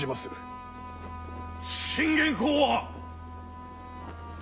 信玄公は！